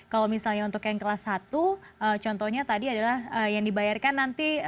kalau misalnya untuk yang kelas satu contohnya tadi adalah yang dibayarkan nanti